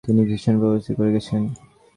তিনি ভীষণ প্রভাববিস্তার করে গেছেন।